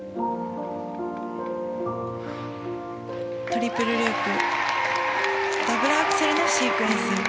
トリプルループダブルアクセルのシークエンス。